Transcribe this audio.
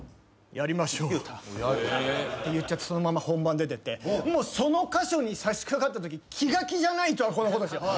やりましょうって言っちゃってそのまま本番出てってその箇所にさしかかったとき気が気じゃないとはこのことです。